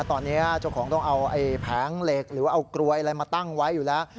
ตอนนี้เจ้าของต้องเอาแผงเหล็กหรือว่าเอากลวยอะไรมาตั้งไว้อยู่แล้ว